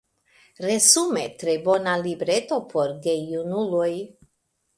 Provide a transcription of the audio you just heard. Resume tre bona libreto por gejunuloj.